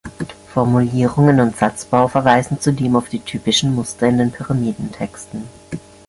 Formulierungen und Satzbau verweisen zudem auf die typischen Muster in den Pyramidentexten.